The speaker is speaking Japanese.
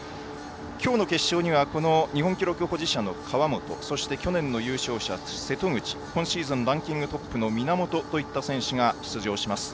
きょうの決勝にはこの日本記録保持者の川元そして去年の優勝者瀬戸口、今シーズンランキングトップの源といった選手が出場します。